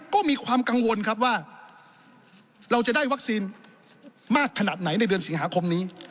ก็มีความกังวลครับว่าเราจะได้วัคซีนมากขนาดไหนในเดือนสิงหาคมนี้